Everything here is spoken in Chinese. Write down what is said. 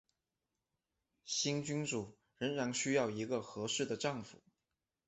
新君主仍然需要一个合适的丈夫。